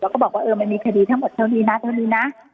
แล้วก็บอกว่ามันมีคดีทั้งหมดเท่านี้นะเท่านี้นะ